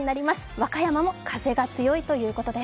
和歌山も風が強いということです。